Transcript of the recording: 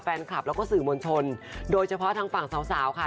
แฟนคลับแล้วก็สื่อมวลชนโดยเฉพาะทางฝั่งสาวสาวค่ะ